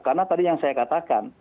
karena tadi yang saya katakan